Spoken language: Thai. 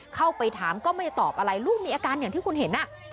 เข้าไปถามก็ไม่ตอบอะไรลูกมีอาการอย่างที่คุณเห็น